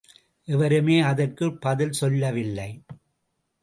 எவருமே அதற்குப் பதில் சொல்லவில்லை.